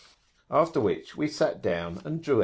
After which, we sat down and drew [p.